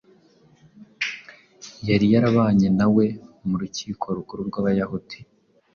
yari yarabanye na we mu rukiko rukuru rw’Abayahudi